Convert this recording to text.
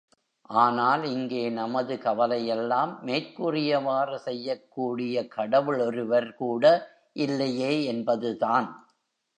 ஆனால் இங்கே நமது கவலையெல்லாம், மேற்கூறியவாறு செய்யக் கூடிய கடவுள் ஒருவர் கூட இல்லையே என்பதுதான்!